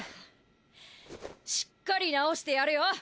しっかり直してやれよ。